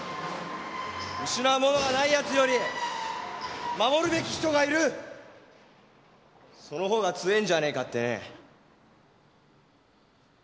失うものがないやつより守るべき人がいる、そのほうが強ぇんじゃねえかってね。